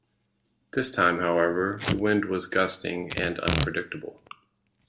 This time, however, the wind was gusting and unpredictable.